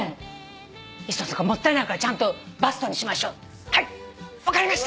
「磯野さんもったいないからちゃんとバストにしましょう」はい分かりました！